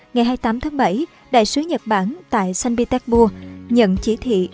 ngày hai mươi tám tháng bảy đại sứ nhật bản tại sanpetebu nhận chỉ thị